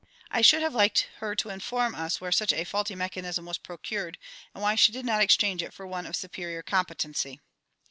I should have liked her to inform us where such a faulty mechanism was procured, and why she did not exchange it for one of superior competency.